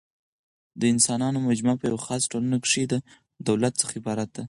د انسانانو مجموعه په یوه خاصه ټولنه کښي د دولت څخه عبارت ده.